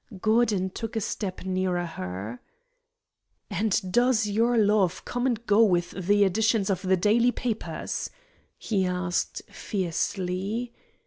Gordon took a step nearer her. "And does your love come and go with the editions of the daily papers?" he asked, fiercely.